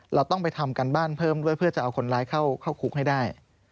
เราต้องไปทำการบ้านเพิ่มด้วยเพื่อจะเอาคนร้ายเข้าคุกให้ได้